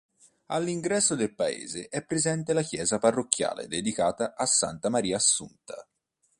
All'ingresso del paese è presente la chiesa parrocchiale dedicata a Santa Maria Assunta.